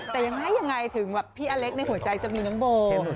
แต่ยังไงยังไงถึงแบบพี่อเล็กในหัวใจจะมีน้องโบ